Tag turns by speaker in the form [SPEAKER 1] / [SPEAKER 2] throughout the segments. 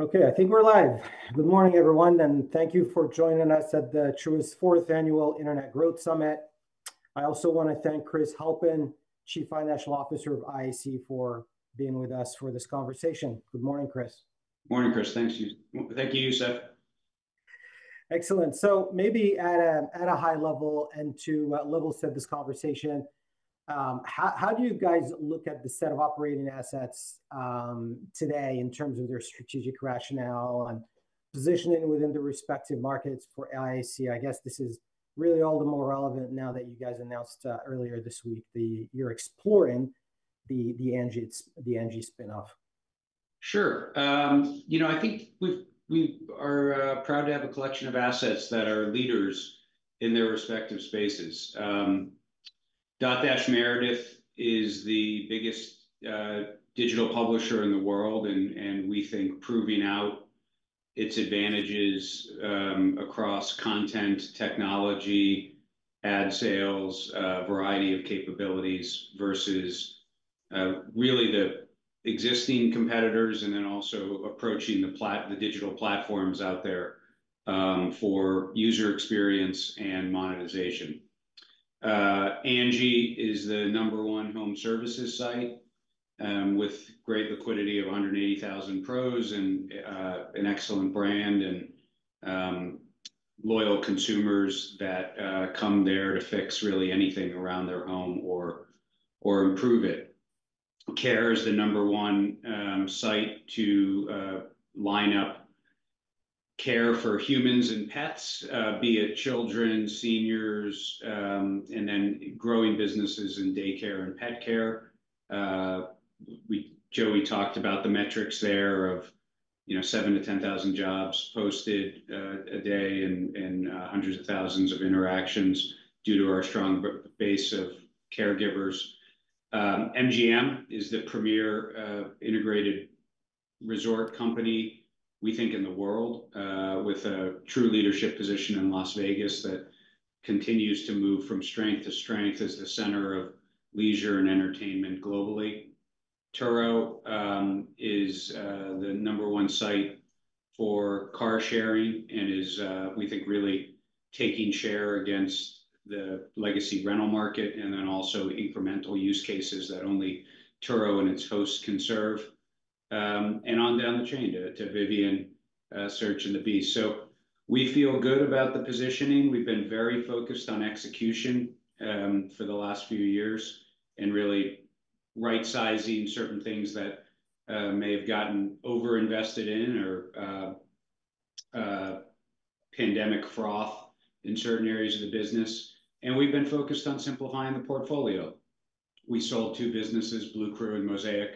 [SPEAKER 1] Okay, I think we're live. Good morning, everyone, and thank you for joining us at the Truist 4th Annual Internet Growth Summit. I also want to thank Chris Halpin, Chief Financial Officer of IAC, for being with us for this conversation. Good morning, Chris.
[SPEAKER 2] Good morning, Chris. Thank you, Youssef.
[SPEAKER 1] Excellent. So maybe at a high level, and to level set this conversation, how do you guys look at the set of operating assets today in terms of their strategic rationale and positioning within the respective markets for IAC? I guess this is really all the more relevant now that you guys announced earlier this week that you're exploring the Angie spin-off. Sure. You know, I think we are proud to have a collection of assets that are leaders in their respective spaces. Dotdash Meredith is the biggest digital publisher in the world, and we think proving out its advantages across content, technology, ad sales, a variety of capabilities versus really the existing competitors, and then also approaching the digital platforms out there for user experience and monetization. Angie is the number one home services site with great liquidity of 180,000 pros and an excellent brand and loyal consumers that come there to fix really anything around their home or improve it. Care is the number one site to line up care for humans and pets, be it children, seniors, and then growing businesses in daycare and pet care. Joey talked about the metrics there of 7-10,000 jobs posted a day and hundreds of thousands of interactions due to our strong base of caregivers. MGM is the premier integrated resort company, we think, in the world, with a true leadership position in Las Vegas that continues to move from strength to strength as the center of leisure and entertainment globally. Turo is the number one site for car sharing and is, we think, really taking share against the legacy rental market and then also incremental use cases that only Turo and its hosts can serve, and on down the chain to Vivian, Search, and the Beast, so we feel good about the positioning. We've been very focused on execution for the last few years and really right-sizing certain things that may have gotten overinvested in or pandemic froth in certain areas of the business.
[SPEAKER 3] And we've been focused on simplifying the portfolio. We sold two businesses, Bluecrew and Mosaic,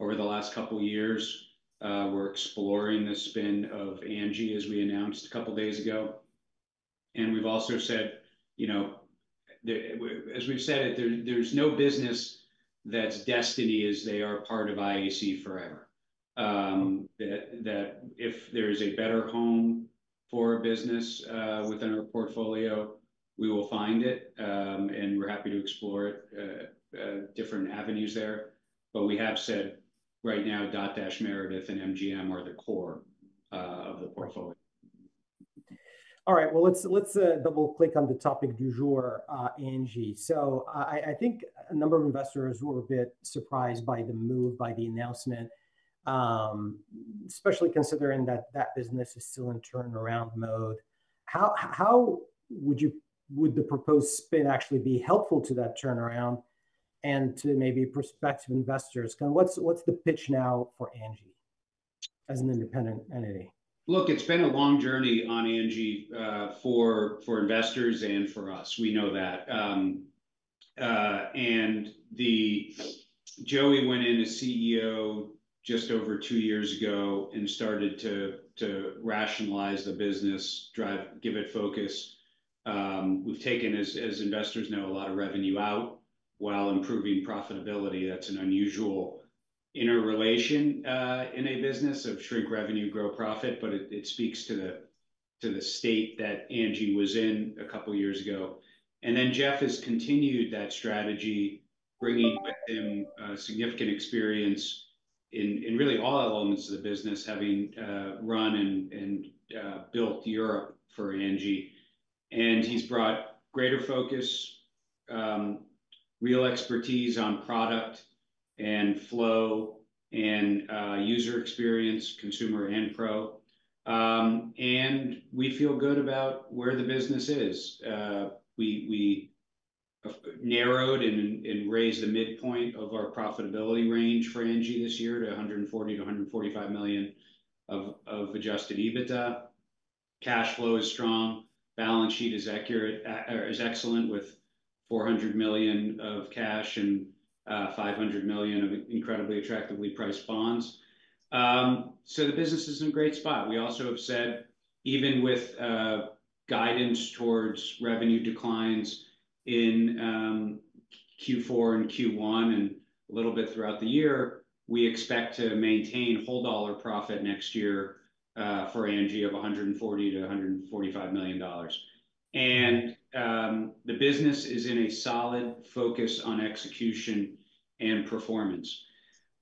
[SPEAKER 3] over the last couple of years. We're exploring the spin of Angie as we announced a couple of days ago. And we've also said, as we've said, there's no business that's destined to be part of IAC forever. That if there is a better home for a business within our portfolio, we will find it, and we're happy to explore different avenues there. But we have said right now, Dotdash Meredith and MGM are the core of the portfolio.
[SPEAKER 1] All right, well, let's double-click on the topic du jour, Angie. So I think a number of investors were a bit surprised by the move, by the announcement, especially considering that that business is still in turnaround mode. How would the proposed spin actually be helpful to that turnaround and to maybe prospective investors? What's the pitch now for Angie as an independent entity?
[SPEAKER 3] Look, it's been a long journey on Angie for investors and for us. We know that, and Joey went in as CEO just over two years ago and started to rationalize the business, give it focus. We've taken, as investors know, a lot of revenue out while improving profitability. That's an unusual interrelation in a business of shrink revenue, grow profit, but it speaks to the state that Angie was in a couple of years ago, and then Jeff has continued that strategy, bringing with him significant experience in really all elements of the business, having run and built Europe for Angie, and he's brought greater focus, real expertise on product and flow and user experience, consumer and pro, and we feel good about where the business is. We narrowed and raised the midpoint of our profitability range for Angie this year to $140-$145 million of adjusted EBITDA. Cash flow is strong. Balance sheet is excellent with $400 million of cash and $500 million of incredibly attractively priced bonds. So the business is in a great spot. We also have said, even with guidance towards revenue declines in Q4 and Q1 and a little bit throughout the year, we expect to maintain whole dollar profit next year for Angie of $140-$145 million. And the business is in a solid focus on execution and performance.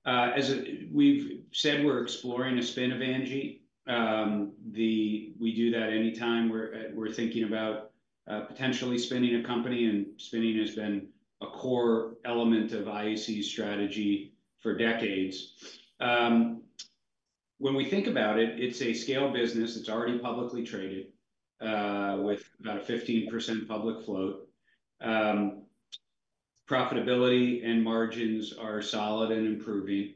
[SPEAKER 3] As we've said, we're exploring a spin of Angie. We do that anytime we're thinking about potentially spinning a company, and spinning has been a core element of IAC's strategy for decades. When we think about it, it's a scale business. It's already publicly traded with about a 15% public float. Profitability and margins are solid and improving.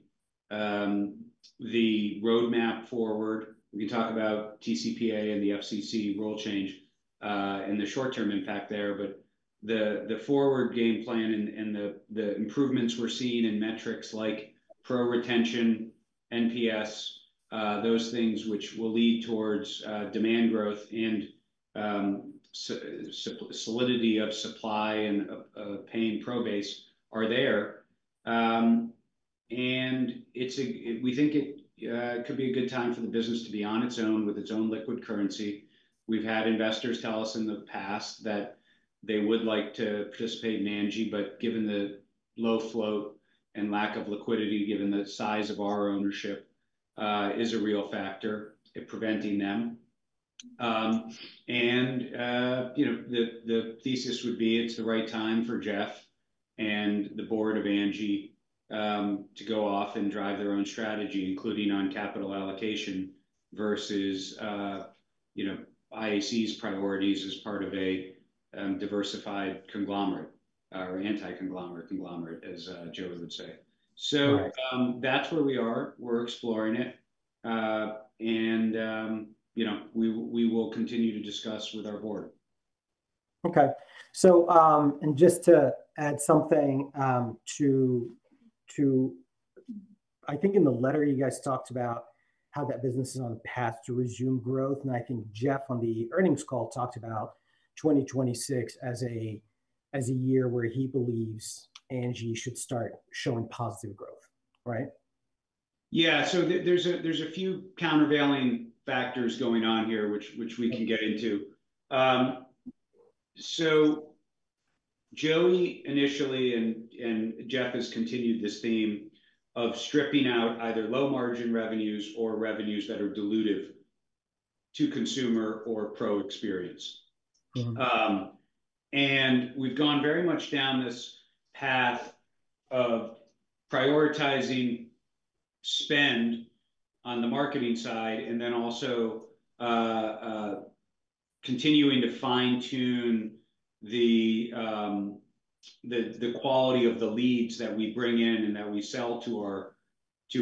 [SPEAKER 3] The roadmap forward, we can talk about TCPA and the FCC rule change and the short-term impact there, but the forward game plan and the improvements we're seeing in metrics like pro retention, NPS, those things which will lead towards demand growth and solidity of supply and paying pro base are there. And we think it could be a good time for the business to be on its own with its own liquid currency. We've had investors tell us in the past that they would like to participate in Angie, but given the low float and lack of liquidity, given the size of our ownership, is a real factor in preventing them. The thesis would be it's the right time for Jeff and the board of Angi to go off and drive their own strategy, including on capital allocation versus IAC's priorities as part of a diversified conglomerate or anti-conglomerate conglomerate, as Joey would say. That's where we are. We're exploring it. We will continue to discuss with our board.
[SPEAKER 1] Okay. And just to add something to, I think in the letter you guys talked about how that business is on the path to resume growth, and I think Jeff on the earnings call talked about 2026 as a year where he believes Angie should start showing positive growth, right?
[SPEAKER 3] Yeah. So there's a few countervailing factors going on here which we can get into. So Joey initially and Jeff has continued this theme of stripping out either low margin revenues or revenues that are dilutive to consumer or pro experience. We've gone very much down this path of prioritizing spend on the marketing side and then also continuing to fine-tune the quality of the leads that we bring in and that we sell to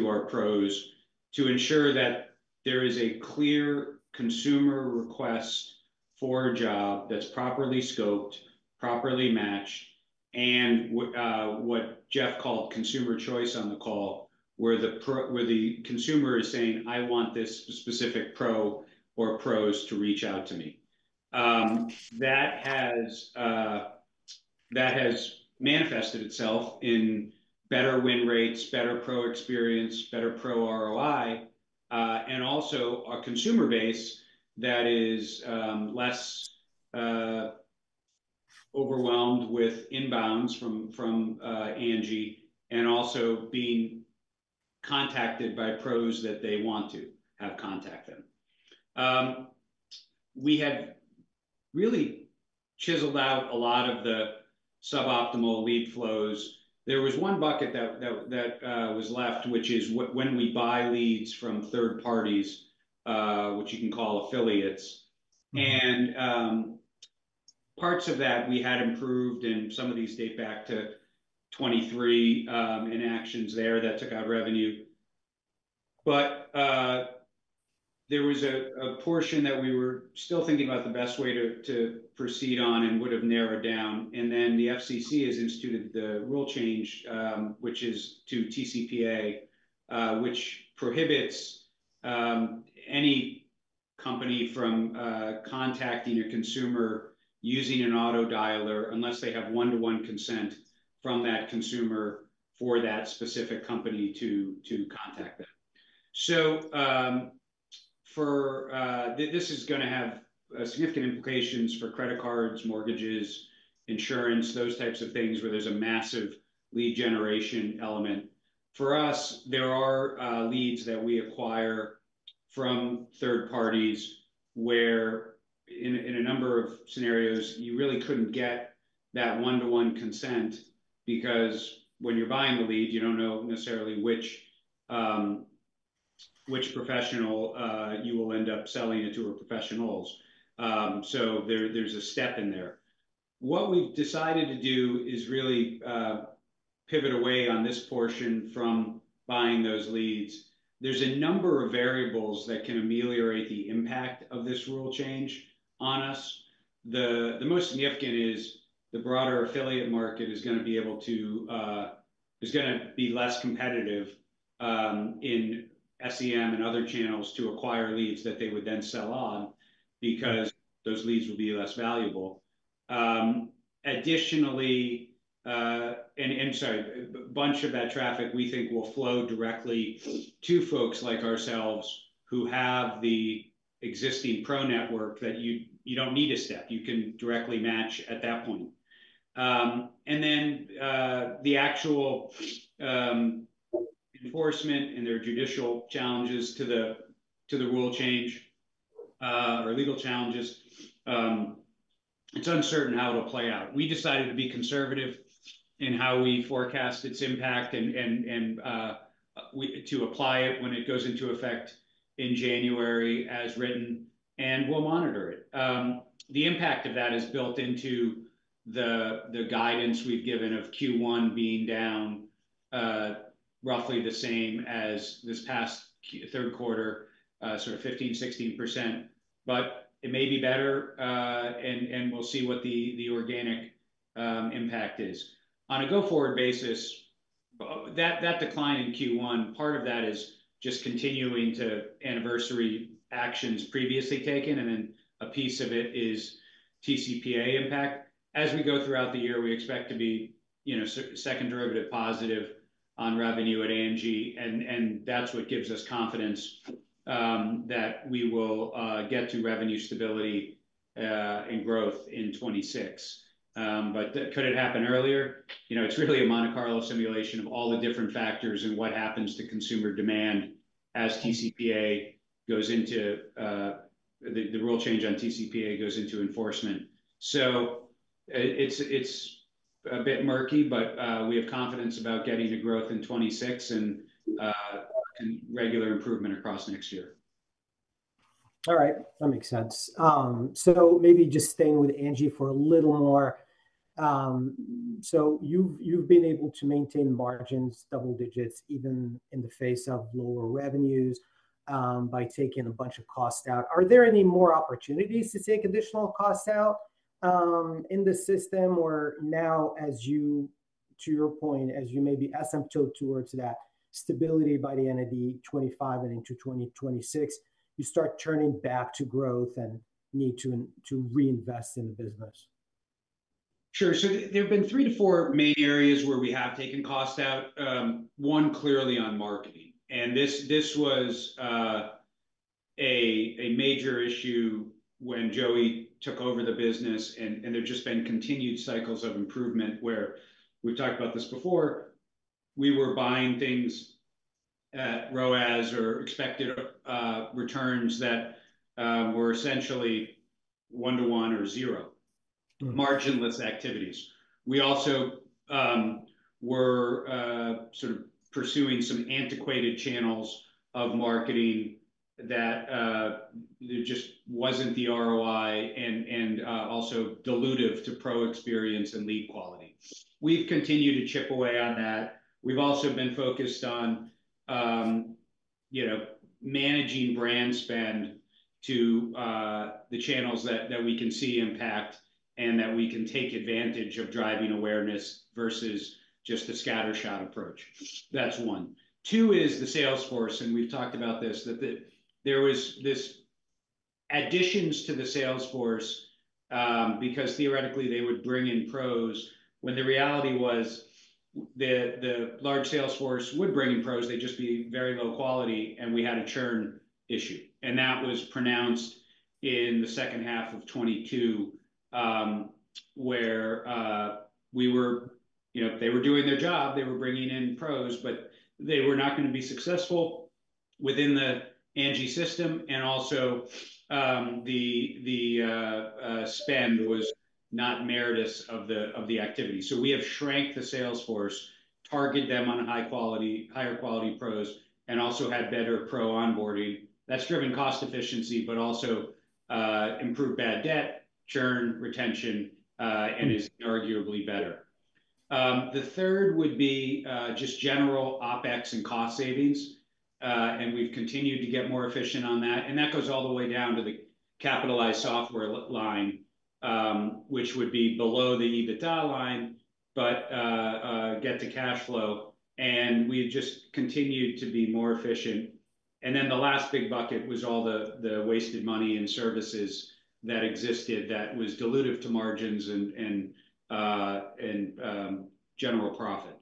[SPEAKER 3] our pros to ensure that there is a clear consumer request for a job that's properly scoped, properly matched, and what Jeff called consumer choice on the call, where the consumer is saying, "I want this specific pro or pros to reach out to me." That has manifested itself in better win rates, better pro experience, better pro ROI, and also a consumer base that is less overwhelmed with inbounds from Angie and also being contacted by pros that they want to have contact them. We had really chiseled out a lot of the suboptimal lead flows. There was one bucket that was left, which is when we buy leads from third parties, which you can call affiliates, and parts of that we had improved, and some of these date back to 2023 in actions there that took out revenue, but there was a portion that we were still thinking about the best way to proceed on and would have narrowed down, and then the FCC has instituted the rule change, which is to TCPA, which prohibits any company from contacting a consumer using an autodialer unless they have one-to-one consent from that consumer for that specific company to contact them, so this is going to have significant implications for credit cards, mortgages, insurance, those types of things where there's a massive lead generation element. For us, there are leads that we acquire from third parties where in a number of scenarios, you really couldn't get that one-to-one consent because when you're buying the lead, you don't know necessarily which professional you will end up selling it to or professionals. So there's a step in there. What we've decided to do is really pivot away on this portion from buying those leads. There's a number of variables that can ameliorate the impact of this rule change on us. The most significant is the broader affiliate market is going to be able to, is going to be less competitive in SEM and other channels to acquire leads that they would then sell on because those leads will be less valuable. Additionally, and I'm sorry, a bunch of that traffic we think will flow directly to folks like ourselves who have the existing pro network that you don't need to step. You can directly match at that point. And then the actual enforcement and their judicial challenges to the rule change or legal challenges, it's uncertain how it'll play out. We decided to be conservative in how we forecast its impact and to apply it when it goes into effect in January as written, and we'll monitor it. The impact of that is built into the guidance we've given of Q1 being down roughly the same as this past third quarter, sort of 15%-16%, but it may be better, and we'll see what the organic impact is. On a go-forward basis, that decline in Q1, part of that is just continuing to anniversary actions previously taken, and then a piece of it is TCPA impact. As we go throughout the year, we expect to be second derivative positive on revenue at Angie, and that's what gives us confidence that we will get to revenue stability and growth in 2026. But could it happen earlier? It's really a Monte Carlo simulation of all the different factors and what happens to consumer demand as TCPA goes into the rule change on TCPA goes into enforcement. So it's a bit murky, but we have confidence about getting to growth in 2026 and regular improvement across next year.
[SPEAKER 1] All right. That makes sense. So maybe just staying with Angi for a little more. So you've been able to maintain margins, double digits, even in the face of lower revenues by taking a bunch of costs out. Are there any more opportunities to take additional costs out in the system? Or now, to your point, as you may be asymptoting towards that stability by the end of 2025 and into 2026, you start turning back to growth and need to reinvest in the business?
[SPEAKER 3] Sure. So there have been three to four main areas where we have taken costs out. One clearly on marketing. And this was a major issue when Joey took over the business, and there've just been continued cycles of improvement where we've talked about this before. We were buying things at ROAS or expected returns that were essentially one-to-one or zero, marginless activities. We also were sort of pursuing some antiquated channels of marketing that just wasn't the ROI and also dilutive to pro experience and lead quality. We've continued to chip away on that. We've also been focused on managing brand spend to the channels that we can see impact and that we can take advantage of driving awareness versus just a scattershot approach. That's one. Two is the sales force, and we've talked about this, that there was this additions to the sales force because theoretically they would bring in pros, when the reality was the large sales force would bring in pros, they'd just be very low quality, and we had a churn issue. And that was pronounced in the second half of 2022 where they were doing their job. They were bringing in pros, but they were not going to be successful within the Angie system, and also the spend was not merited of the activity. So we have shrank the sales force, targeted them on higher quality pros, and also had better pro onboarding. That's driven cost efficiency, but also improved bad debt, churn, retention, and is arguably better. The third would be just general OpEx and cost savings, and we've continued to get more efficient on that. That goes all the way down to the capitalized software line, which would be below the EBITDA line, but get to cash flow. We've just continued to be more efficient. Then the last big bucket was all the wasted money and services that existed that was dilutive to margins and general profit.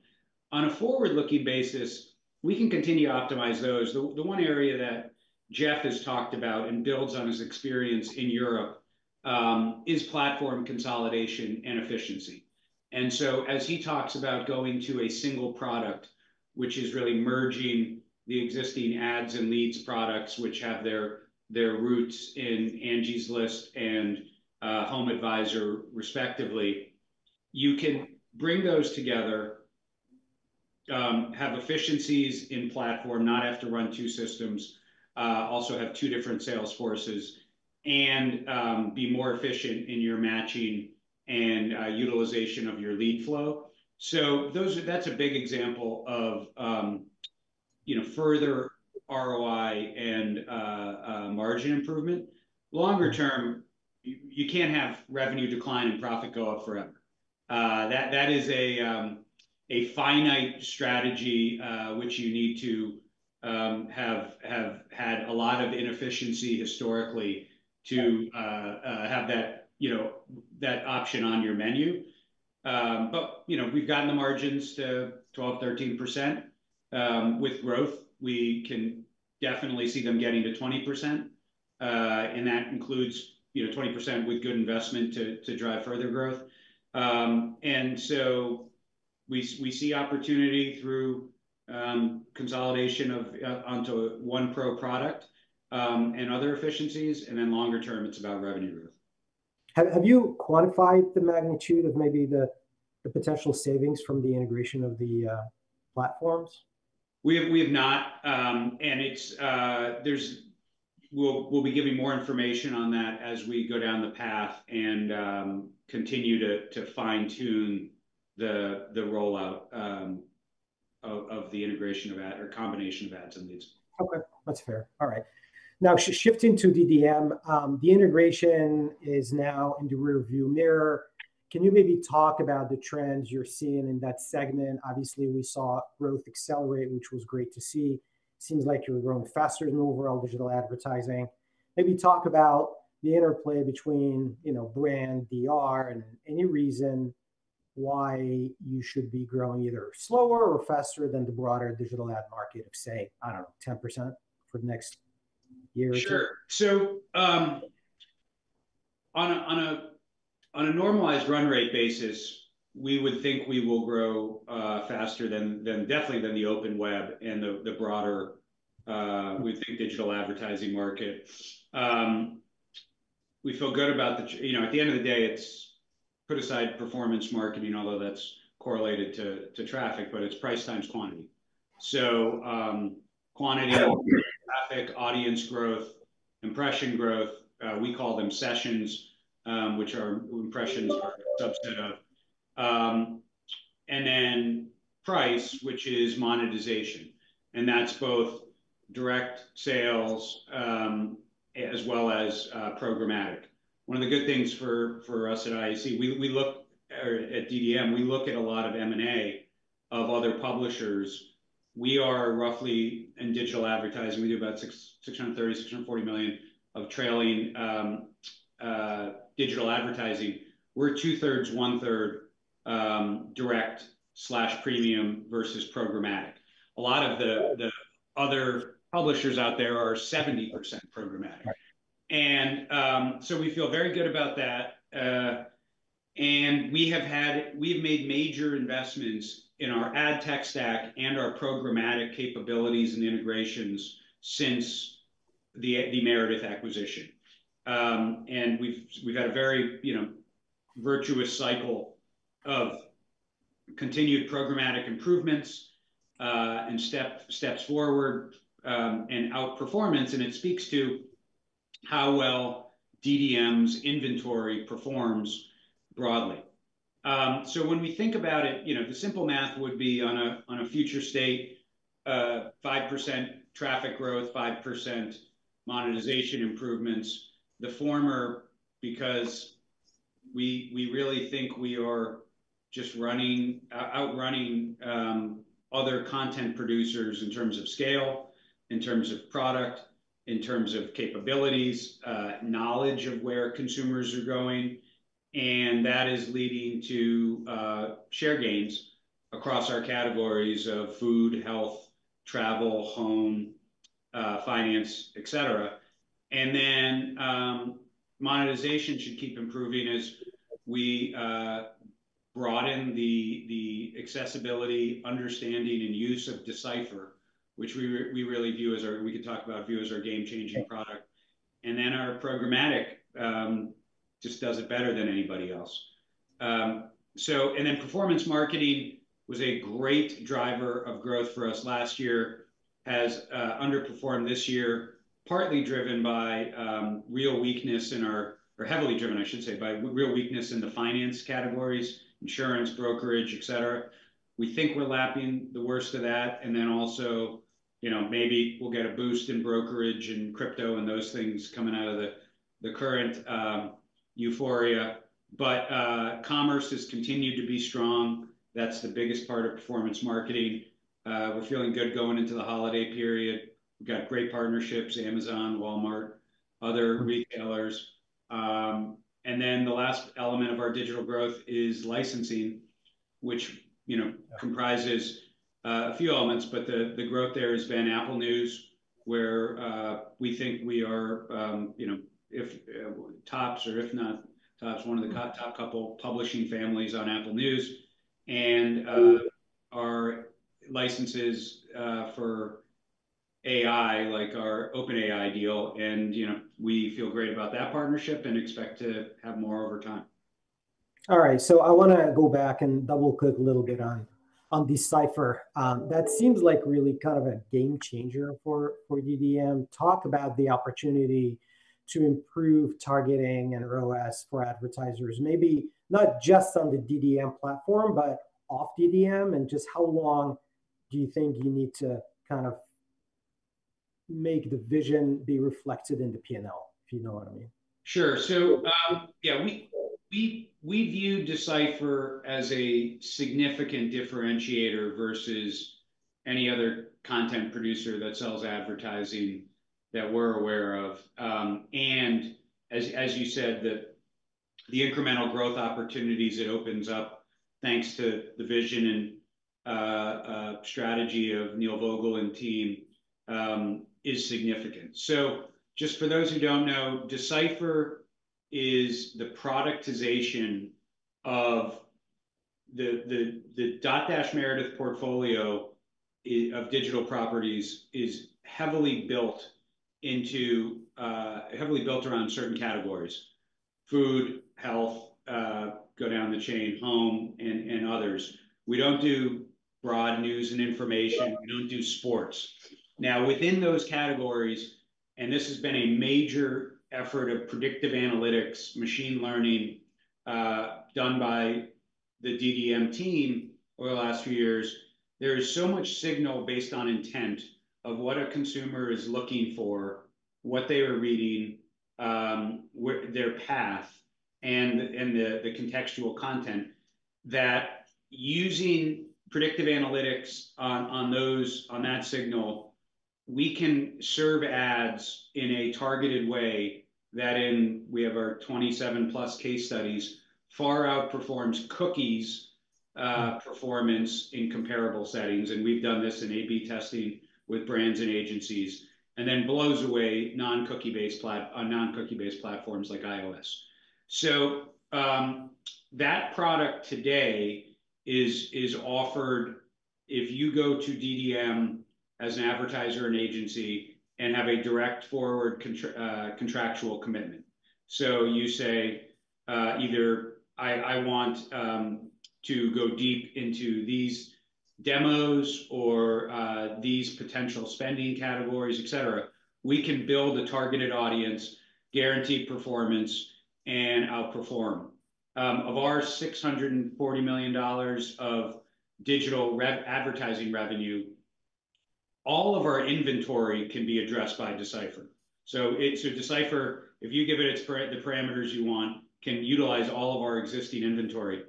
[SPEAKER 3] On a forward-looking basis, we can continue to optimize those. The one area that Jeff has talked about and builds on his experience in Europe is platform consolidation and efficiency. So as he talks about going to a single product, which is really merging the existing ads and leads products, which have their roots in Angie's List and HomeAdvisor, respectively, you can bring those together, have efficiencies in platform, not have to run two systems, also have two different salesforces, and be more efficient in your matching and utilization of your lead flow. So that's a big example of further ROI and margin improvement. Longer term, you can't have revenue decline and profit go up forever. That is a finite strategy, which you need to have had a lot of inefficiency historically to have that option on your menu. But we've gotten the margins to 12%-13%. With growth, we can definitely see them getting to 20%, and that includes 20% with good investment to drive further growth. And so we see opportunity through consolidation of onto one pro product and other efficiencies, and then longer term, it's about revenue growth.
[SPEAKER 1] Have you quantified the magnitude of maybe the potential savings from the integration of the platforms?
[SPEAKER 3] We have not. And we'll be giving more information on that as we go down the path and continue to fine-tune the rollout of the integration of ads or combination of ads and leads.
[SPEAKER 1] Okay. That's fair. All right. Now, shifting to DDM, the integration is now in the rearview mirror. Can you maybe talk about the trends you're seeing in that segment? Obviously, we saw growth accelerate, which was great to see. Seems like you're growing faster than overall digital advertising. Maybe talk about the interplay between brand DR and any reason why you should be growing either slower or faster than the broader digital ad market of, say, I don't know, 10% for the next year or two.
[SPEAKER 2] Sure. So on a normalized run rate basis, we would think we will grow faster than definitely than the open web and the broader, we think, digital advertising market. We feel good about the at the end of the day, it's put aside performance marketing, although that's correlated to traffic, but it's price times quantity. So quantity, traffic, audience growth, impression growth, we call them sessions, which are impressions or a subset of. And then price, which is monetization. And that's both direct sales as well as programmatic. One of the good things for us at IAC, we look at DDM, we look at a lot of M&A of other publishers. We are roughly in digital advertising, we do about $630-$640 million of trailing digital advertising. We're two-thirds, one-third direct/premium versus programmatic. A lot of the other publishers out there are 70% programmatic. And so we feel very good about that. And we have made major investments in our ad tech stack and our programmatic capabilities and integrations since the Meredith acquisition. And we've had a very virtuous cycle of continued programmatic improvements and steps forward and outperformance, and it speaks to how well DDM's inventory performs broadly. So when we think about it, the simple math would be on a future state, 5% traffic growth, 5% monetization improvements. The former, because we really think we are just outrunning other content producers in terms of scale, in terms of product, in terms of capabilities, knowledge of where consumers are going, and that is leading to share gains across our categories of food, health, travel, home, finance, etc. And then monetization should keep improving as we broaden the accessibility, understanding, and use of D/Cipher, which we really view as our game-changing product. And then our programmatic just does it better than anybody else. And then performance marketing was a great driver of growth for us last year, has underperformed this year, partly driven, or heavily driven, I should say, by real weakness in the finance categories, insurance, brokerage, etc. We think we're lapping the worst of that, and then also maybe we'll get a boost in brokerage and crypto and those things coming out of the current euphoria. But commerce has continued to be strong. That's the biggest part of performance marketing. We're feeling good going into the holiday period. We've got great partnerships, Amazon, Walmart, other retailers. And then the last element of our digital growth is licensing, which comprises a few elements, but the growth there has been Apple News, where we think we are tops or if not tops, one of the top couple publishing families on Apple News, and our licenses for AI, like our OpenAI deal, and we feel great about that partnership and expect to have more over time.
[SPEAKER 1] All right. So I want to go back and double-click a little bit on D/cipher. That seems like really kind of a game changer for DDM. Talk about the opportunity to improve targeting and ROAS for advertisers, maybe not just on the DDM platform, but off DDM, and just how long do you think you need to kind of make the vision be reflected in the P&L, if you know what I mean?
[SPEAKER 3] Sure, so yeah, we view D/Cipher as a significant differentiator versus any other content producer that sells advertising that we're aware of, and as you said, the incremental growth opportunities it opens up, thanks to the vision and strategy of Neil Vogel and team, is significant, so just for those who don't know, D/Cipher is the productization of the Dotdash Meredith portfolio of digital properties is heavily built around certain categories: food, health, go down the chain, home, and others. We don't do broad news and information. We don't do sports. Now, within those categories, and this has been a major effort of predictive analytics, machine learning done by the DDM team over the last few years, there is so much signal based on intent of what a consumer is looking for, what they are reading, their path, and the contextual content that using predictive analytics on that signal, we can serve ads in a targeted way that we have our 27-plus case studies far outperforms cookies performance in comparable settings. And we've done this in A/B testing with brands and agencies, and then blows away non-cookie-based platforms like iOS. So that product today is offered if you go to DDM as an advertiser and agency and have a direct forward contractual commitment. So you say, "I want to go deep into these demos or these potential spending categories," etc. We can build a targeted audience, guarantee performance, and outperform. Of our $640 million of digital advertising revenue, all of our inventory can be addressed by D/cipher. So D/Cipher, if you give it the parameters you want, can utilize all of our existing inventory.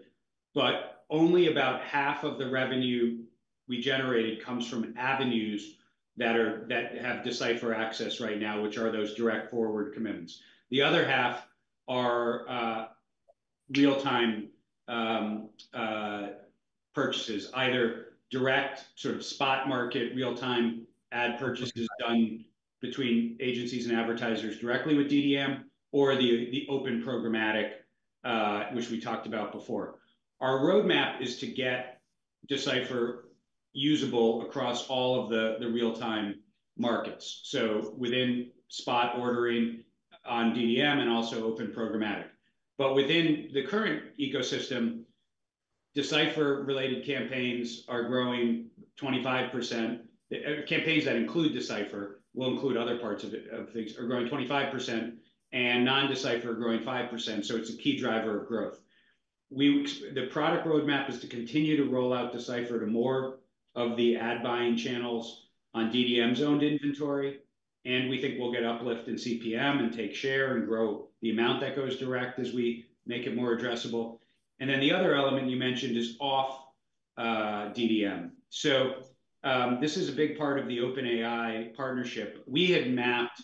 [SPEAKER 3] But only about half of the revenue we generated comes from avenues that have D/Cipher access right now, which are those direct forward commitments. The other half are real-time purchases, either direct sort of spot market real-time ad purchases done between agencies and advertisers directly with DDM or the open programmatic, which we talked about before. Our roadmap is to get D/cipher usable across all of the real-time markets, so within spot ordering on DDM and also open programmatic. But within the current ecosystem, D/Cipher-related campaigns are growing 25%. Campaigns that include D/Cipher will include other parts of things are growing 25%, and non-D/Cipher are growing 5%. It's a key driver of growth. The product roadmap is to continue to roll out D/Cipher to more of the ad buying channels on DDM-zoned inventory. We think we'll get uplift in CPM and take share and grow the amount that goes direct as we make it more addressable. The other element you mentioned is off DDM. This is a big part of the OpenAI partnership. We had mapped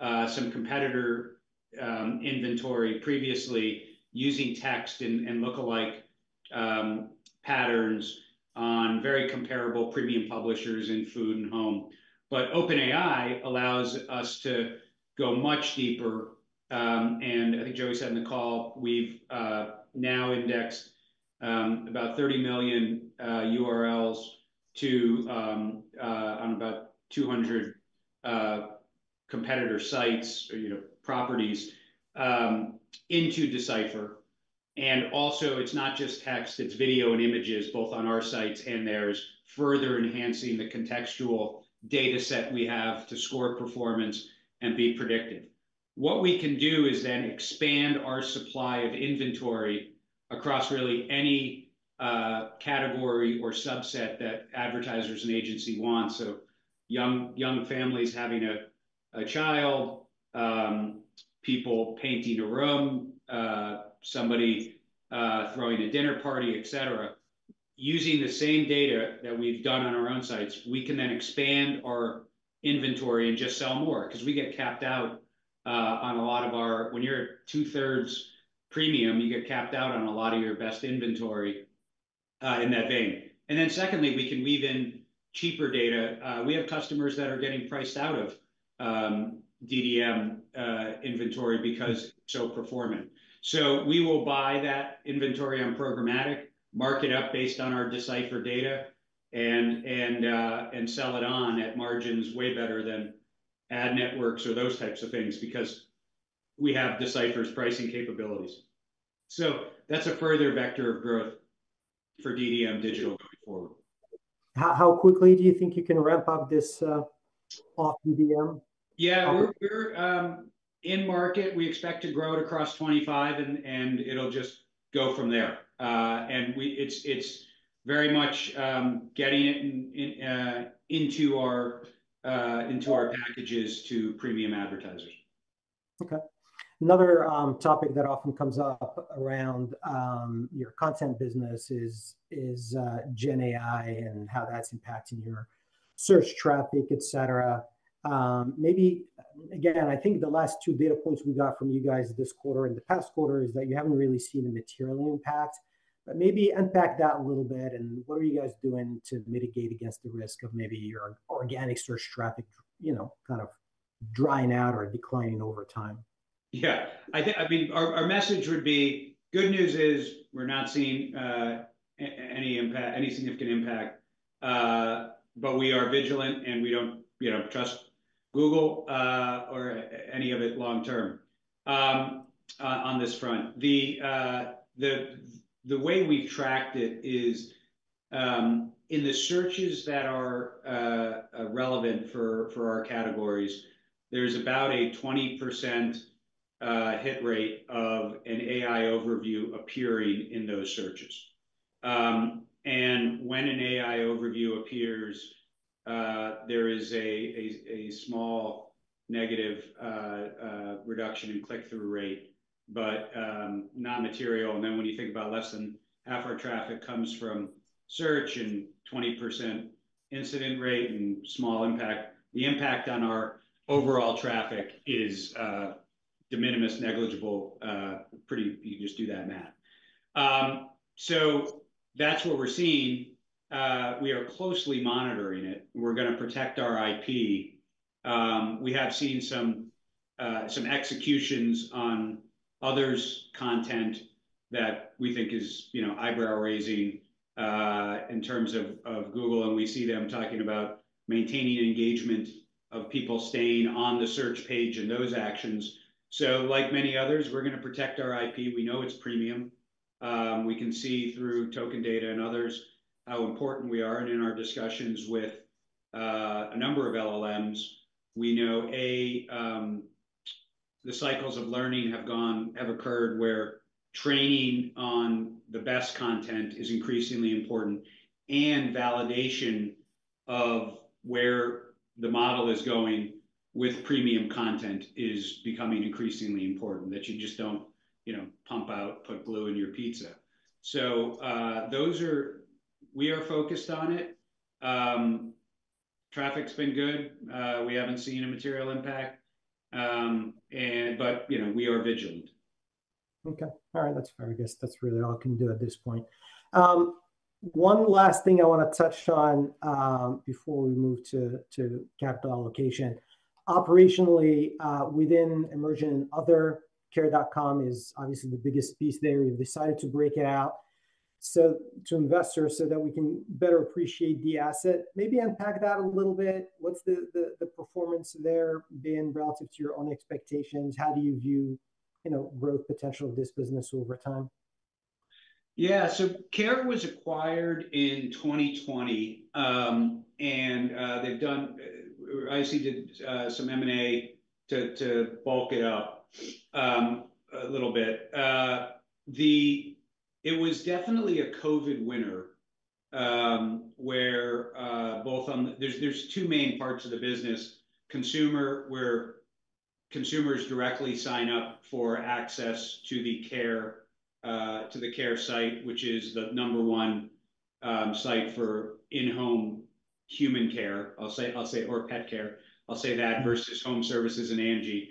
[SPEAKER 3] some competitor inventory previously using text and lookalike patterns on very comparable premium publishers in food and home. But OpenAI allows us to go much deeper. I think Joey said in the call, we've now indexed about 30 million URLs on about 200 competitor sites or properties into D/Cipher. And also, it's not just text, it's video and images, both on our sites and theirs, further enhancing the contextual data set we have to score performance and be predictive. What we can do is then expand our supply of inventory across really any category or subset that advertisers and agency want. So young families having a child, people painting a room, somebody throwing a dinner party, etc. Using the same data that we've done on our own sites, we can then expand our inventory and just sell more because when you're at two-thirds premium, you get capped out on a lot of your best inventory in that vein. And then secondly, we can weave in cheaper data. We have customers that are getting priced out of DDM inventory because it's so performant. So we will buy that inventory on programmatic, mark it up based on our D/Cipher data, and sell it on at margins way better than ad networks or those types of things because we have D/Cipher's pricing capabilities. So that's a further vector of growth for DDM digital going forward.
[SPEAKER 1] How quickly do you think you can ramp up this off DDM?
[SPEAKER 3] Yeah. We're in market. We expect to grow it across 2025, and it'll just go from there, and it's very much getting it into our packages to premium advertisers.
[SPEAKER 1] Okay. Another topic that often comes up around your content business is GenAI and how that's impacting your search traffic, etc. Maybe, again, I think the last two data points we got from you guys this quarter and the past quarter is that you haven't really seen a material impact. But maybe unpack that a little bit, and what are you guys doing to mitigate against the risk of maybe your organic search traffic kind of drying out or declining over time?
[SPEAKER 3] Yeah. I mean, our message would be, "Good news is we're not seeing any significant impact, but we are vigilant, and we don't trust Google or any of it long-term on this front." The way we've tracked it is in the searches that are relevant for our categories, there's about a 20% hit rate of an AI overview appearing in those searches. And when an AI overview appears, there is a small negative reduction in click-through rate, but not material. And then when you think about less than half our traffic comes from search and 20% incidence rate and small impact, the impact on our overall traffic is de minimis, negligible, you just do that math. So that's what we're seeing. We are closely monitoring it. We're going to protect our IP. We have seen some executions on others' content that we think is eyebrow-raising in terms of Google, and we see them talking about maintaining engagement of people staying on the search page and those actions. So like many others, we're going to protect our IP. We know it's premium. We can see through token data and others how important we are. And in our discussions with a number of LLMs, we know the cycles of learning have occurred where training on the best content is increasingly important, and validation of where the model is going with premium content is becoming increasingly important that you just don't pump out, put glue in your pizza. So we are focused on it. Traffic's been good. We haven't seen a material impact, but we are vigilant.
[SPEAKER 1] Okay. All right. That's fair. I guess that's really all I can do at this point. One last thing I want to touch on before we move to capital allocation. Operationally, within Emerging and Other, Care.com is obviously the biggest piece there. You've decided to break it out to investors so that we can better appreciate the asset. Maybe unpack that a little bit. What's the performance there been relative to your own expectations? How do you view growth potential of this business over time?
[SPEAKER 3] Yeah. So Care was acquired in 2020, and they've done obviously some M&A to bulk it up a little bit. It was definitely a COVID winner where both there's two main parts of the business: consumer, where consumers directly sign up for access to the Care site, which is the number one site for in-home human care, I'll say, or pet care. I'll say that versus home services and Angi.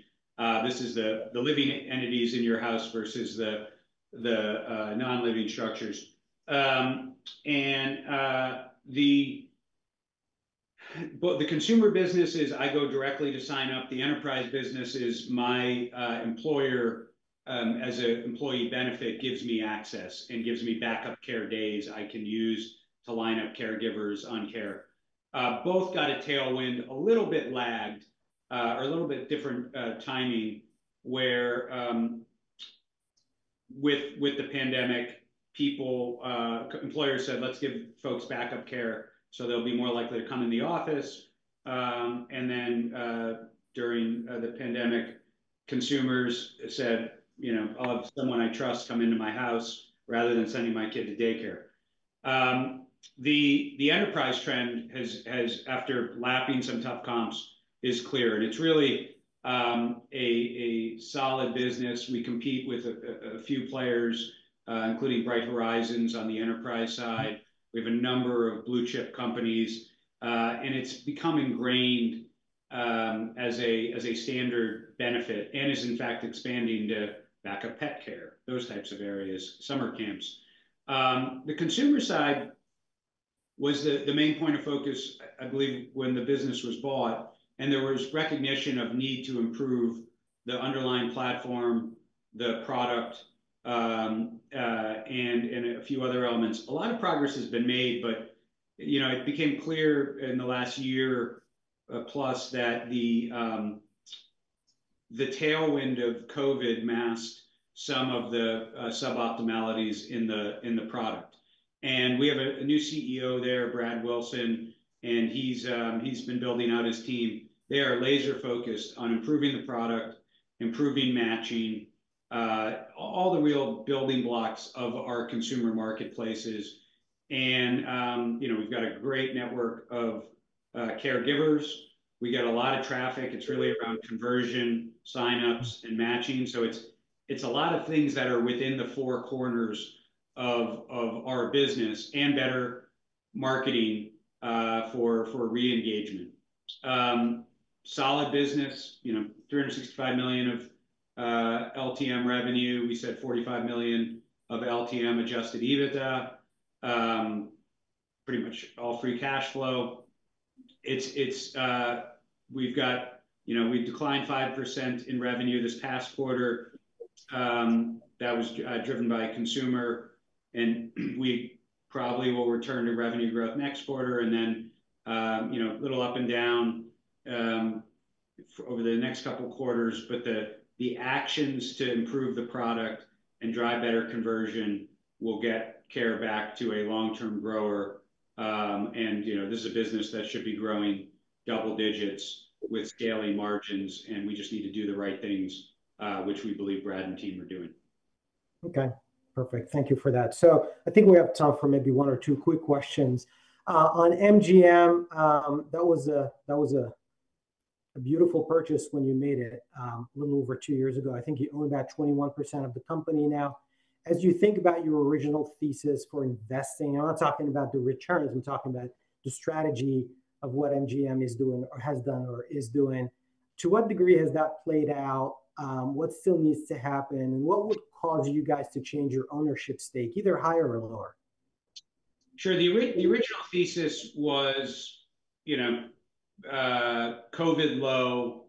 [SPEAKER 3] This is the living entities in your house versus the non-living structures. And the consumer business is I go directly to sign up. The enterprise business is my employer as an employee benefit gives me access and gives me backup care days I can use to line up caregivers on Care. Both got a tailwind a little bit lagged or a little bit different timing where with the pandemic, employers said, "Let's give folks backup care so they'll be more likely to come in the office." And then during the pandemic, consumers said, "I'll have someone I trust come into my house rather than sending my kid to daycare." The enterprise trend, after lapping some tough comps, is clear. And it's really a solid business. We compete with a few players, including Bright Horizons on the enterprise side. We have a number of blue-chip companies. And it's become ingrained as a standard benefit and is, in fact, expanding to backup pet care, those types of areas, summer camps. The consumer side was the main point of focus, I believe, when the business was bought, and there was recognition of need to improve the underlying platform, the product, and a few other elements. A lot of progress has been made, but it became clear in the last year plus that the tailwind of COVID masked some of the suboptimalities in the product, and we have a new CEO there, Brad Wilson, and he's been building out his team. They are laser-focused on improving the product, improving matching, all the real building blocks of our consumer marketplaces, and we've got a great network of caregivers. We get a lot of traffic. It's really around conversion, signups, and matching, so it's a lot of things that are within the four corners of our business and better marketing for re-engagement. Solid business, $365 million of LTM revenue. We said $45 million of LTM adjusted EBITDA, pretty much all free cash flow. We've declined 5% in revenue this past quarter. That was driven by consumer, and we probably will return to revenue growth next quarter and then a little up and down over the next couple of quarters, but the actions to improve the product and drive better conversion will get Care back to a long-term grower, and this is a business that should be growing double digits with scaling margins, and we just need to do the right things, which we believe Brad and team are doing.
[SPEAKER 1] Okay. Perfect. Thank you for that. So I think we have time for maybe one or two quick questions. On MGM, that was a beautiful purchase when you made it a little over two years ago. I think you own about 21% of the company now. As you think about your original thesis for investing, I'm not talking about the returns. I'm talking about the strategy of what MGM has done or is doing. To what degree has that played out? What still needs to happen? And what would cause you guys to change your ownership stake, either higher or lower?
[SPEAKER 3] Sure. The original thesis was COVID low,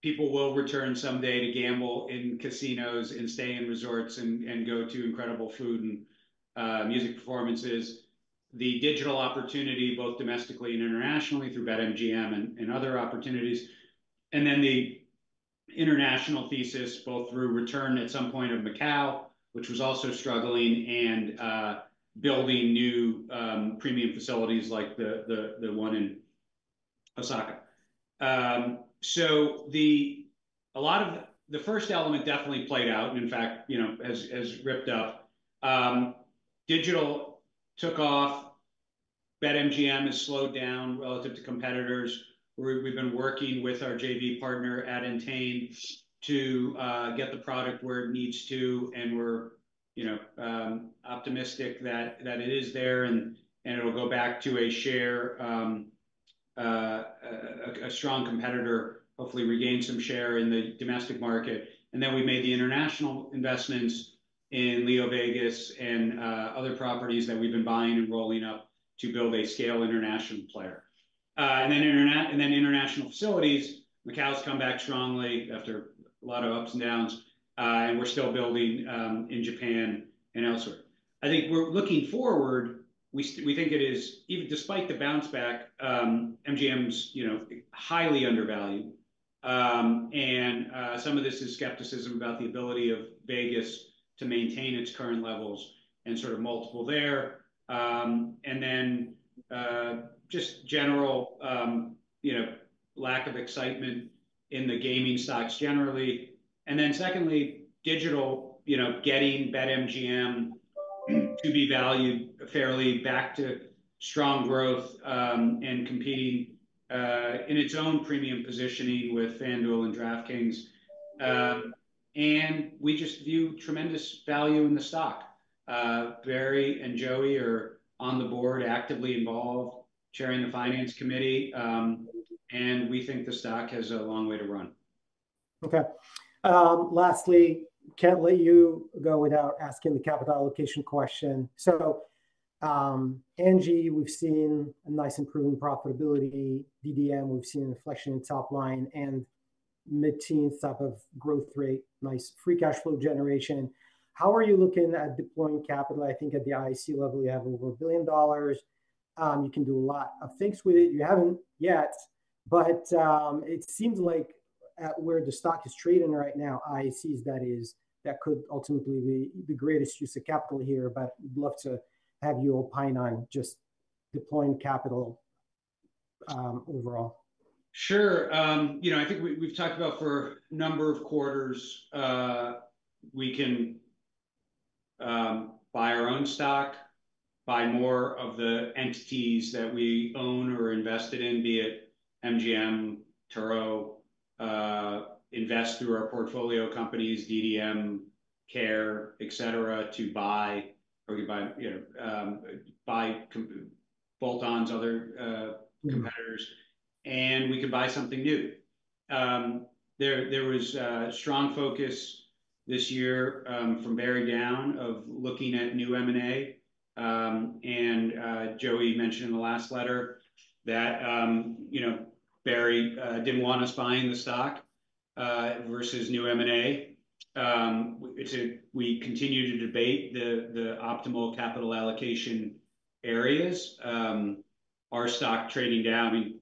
[SPEAKER 3] people will return someday to gamble in casinos and stay in resorts and go to incredible food and music performances, the digital opportunity both domestically and internationally through BetMGM and other opportunities, and then the international thesis both through return at some point of Macau, which was also struggling, and building new premium facilities like the one in Osaka. So a lot of the first element definitely played out, and in fact, has ripped up. Digital took off. BetMGM has slowed down relative to competitors. We've been working with our JV partner at Entain to get the product where it needs to, and we're optimistic that it is there and it'll go back to a strong competitor, hopefully regain some share in the domestic market. And then we made the international investments in LeoVegas and other properties that we've been buying and rolling up to build a scale international player. And then international facilities, Macau's come back strongly after a lot of ups and downs, and we're still building in Japan and elsewhere. I think we're looking forward. We think it is, even despite the bounce back, MGM's highly undervalued. And some of this is skepticism about the ability of Vegas to maintain its current levels and sort of multiple there. And then just general lack of excitement in the gaming stocks generally. And then secondly, digital getting BetMGM to be valued fairly back to strong growth and competing in its own premium positioning with FanDuel and DraftKings. And we just view tremendous value in the stock. Barry and Joey are on the board, actively involved, chairing the finance committee, and we think the stock has a long way to run.
[SPEAKER 1] Okay. Lastly, can't let you go without asking the capital allocation question. So Angi, we've seen a nice improvement in profitability. DDM, we've seen an inflection in top line and mid-teens type of growth rate, nice free cash flow generation. How are you looking at deploying capital? I think at the IC level, you have over $1 billion. You can do a lot of things with it. You haven't yet, but it seems like where the stock is trading right now, IAC, that could ultimately be the greatest use of capital here, but we'd love to have you opine on just deploying capital overall.
[SPEAKER 3] Sure. I think we've talked about for a number of quarters, we can buy our own stock, buy more of the entities that we own or invested in, be it MGM, Turo, invest through our portfolio companies, DDM, Care, etc., to buy or buy bolt-ons, other competitors, and we can buy something new. There was strong focus this year from Barry down of looking at new M&A. And Joey mentioned in the last letter that Barry didn't want us buying the stock versus new M&A. We continue to debate the optimal capital allocation areas. Our stock trading down. I mean,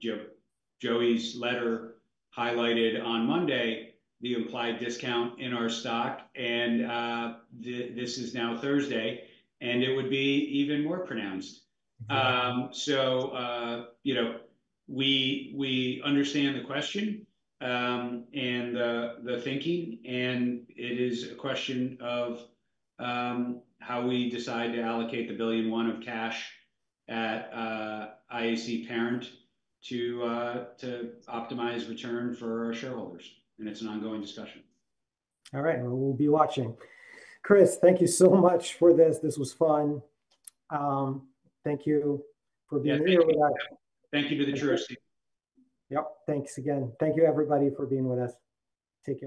[SPEAKER 3] Joey's letter highlighted on Monday the implied discount in our stock, and this is now Thursday, and it would be even more pronounced. So we understand the question and the thinking, and it is a question of how we decide to allocate the $1 billion of cash at IAC Parent to optimize return for our shareholders. And it's an ongoing discussion.
[SPEAKER 1] All right. We'll be watching. Chris, thank you so much for this. This was fun. Thank you for being here with us.
[SPEAKER 3] Thank you to Truist.
[SPEAKER 4] Yep. Thanks again. Thank you, everybody, for being with us. Take care.